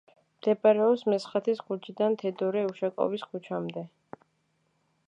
მდებარეობს მესხეთის ქუჩიდან თედორე უშაკოვის ქუჩამდე.